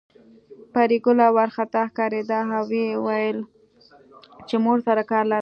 پري ګله وارخطا ښکارېده او ويل يې چې مور سره کار لرم